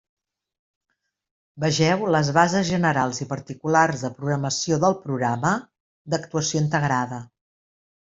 Vegeu les bases generals i particulars de programació del programa d'actuació integrada.